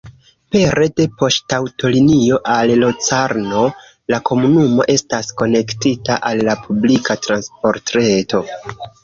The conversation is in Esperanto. Pere de poŝtaŭtolinio al Locarno la komunumo estas konektita al la publika transportreto.